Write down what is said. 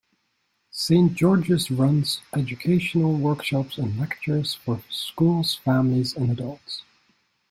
Saint George's runs educational workshops and lectures for schools, families and adults.